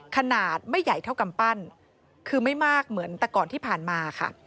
ขนาดไม่ใหญ่เท่ากำปั้นคือไม่มากเหมือนแต่ก่อนที่ผ่านมาค่ะ